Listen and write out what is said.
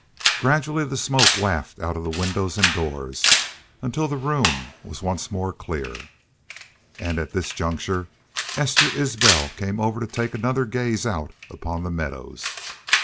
Gradually the smoke wafted out of the windows and doors, until the room was once more clear. And at this juncture Esther Isbel came over to take another gaze out upon the meadows.